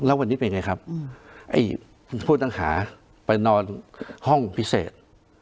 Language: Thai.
แล้ววันนี้เป็นไงครับไอ้ผู้ต้องหาไปนอนห้องพิเศษ